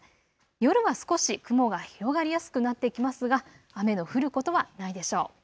夜は少し雲が広がりやすくなってきますが、雨の降ることはないでしょう。